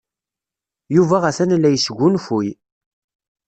Yuba atan la yesgunfuy.